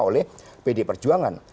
oleh pd perjuangan